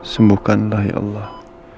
sembuhkanlah ya allah